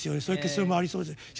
そういう結論もありそうです。